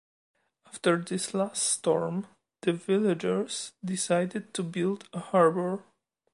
After this last storm, the villagers decided to build a harbour.